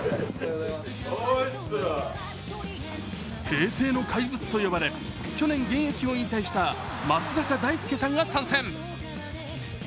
平成の怪物と呼ばれ、去年現役を引退した松坂大輔さんが参戦。